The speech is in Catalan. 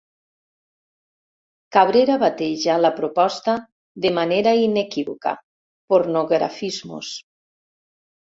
Cabrera bateja la proposta de manera inequívoca: «Pornografismos».